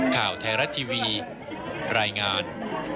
ข่าวแทระทีวีรายงาน